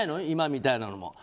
今みたいなのも。